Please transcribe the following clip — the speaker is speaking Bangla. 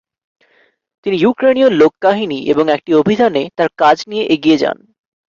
তিনি ইউক্রেনীয় লোককাহিনী এবং একটি অভিধানে তার কাজ নিয়ে এগিয়ে যান।